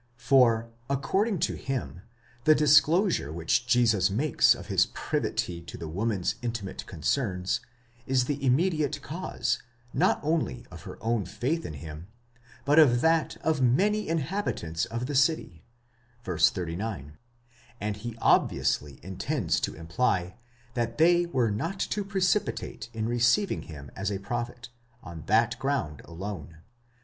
1! For, according to him, the disclosure which Jesus makes of his privity to the woman's intimate concerns, is the immediate cause, not only of her own faith in him, but of that of many inhabitants of the city (v. 39), and he obviously intends to imply that they were not too precipitate in receiving him as a prophet, on that ground alone.